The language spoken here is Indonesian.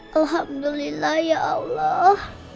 alhamdulillah ya allah